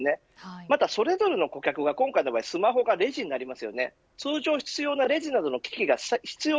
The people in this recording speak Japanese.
またそれぞれの顧客がスマホがレジになるので通常必要なレジの機器が必要